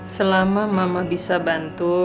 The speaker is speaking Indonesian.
selama mama bisa bantu